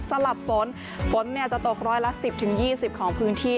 สลับฝนฝนเนี้ยจะตกร้อยละสิบถึงยี่สิบของพื้นที่